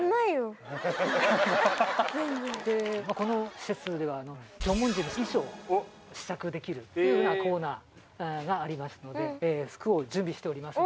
この施設では縄文人の衣装を試着できるというようなコーナーがありますので服を準備しております。